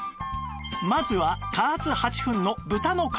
まずは加圧８分の豚の角煮